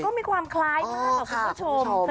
ก็มีความคล้ายมากค่ะคุณผู้ชม